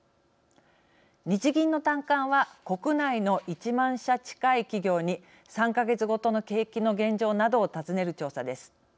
日銀の短観は国内の１万社近い企業に３か月ごとの景気の現状などを尋ねる調査です。